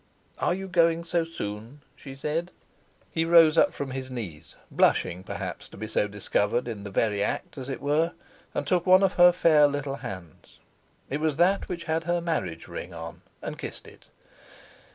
"Are you going so soon?" she said. He rose up from his knees, blushing, perhaps, to be so discovered, in the very act, as it were, and took one of her fair little hands it was that which had her marriage ring on and kissed it.